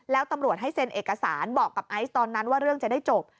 แล้วตำรวจให้เซ็นเอกสารบอกกับไอซ์ตอนนั้นว่าเรื่องจะได้จบ